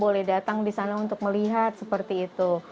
boleh datang di sana untuk melihat seperti itu